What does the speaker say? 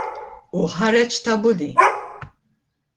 U ħareġ ta' bully!